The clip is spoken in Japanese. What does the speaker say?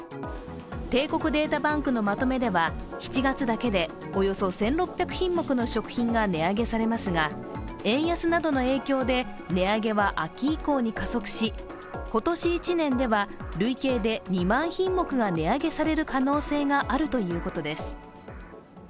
帝国データバンクのまとめでは７月だけでおよそ１６００品目の食品が値上げされますが円安などの影響で値上げは秋以降に加速し今年１年では累計で２万品目が値上げされる可能性があるということです。